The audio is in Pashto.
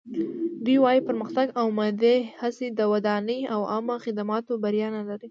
دوی وايي پرمختګ او مادي هڅې د ودانۍ او عامه خدماتو بریا نه لري.